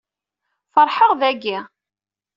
Feṛḥeɣ dagi.